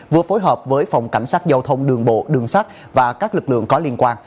vừa phối hợp với phòng cảnh sát giao thông đường bộ đường sắt và các lực lượng có liên quan